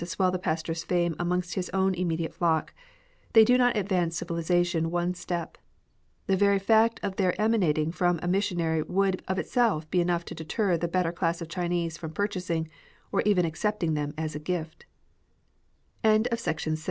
swell the pastor s fame amongst his own immediate flock : they do not advance civilisation one single step. The very fact of their emanating from a mis sionary would of itself be enough to deter the better class of Chinese from purchasing, or eve